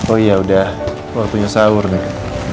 oh iya udah waktunya sahur nih